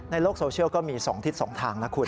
ในโลกโซเชียลก็มี๒ทิศ๒ทางนะคุณ